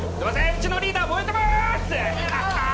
うちのリーダー燃えてます